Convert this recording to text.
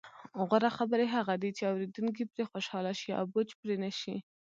غوره خبرې هغه دي، چې اوریدونکي پرې خوشحاله شي او بوج پرې نه شي.